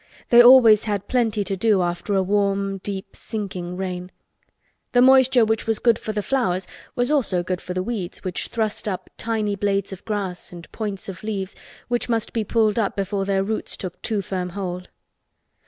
They always had plenty to do after a warm deep sinking rain. The moisture which was good for the flowers was also good for the weeds which thrust up tiny blades of grass and points of leaves which must be pulled up before their roots took too firm hold.